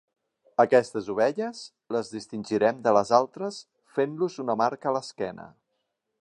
Aquestes ovelles, les distingirem de les altres fent-los una marca a l'esquena.